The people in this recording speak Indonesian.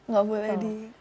gak boleh di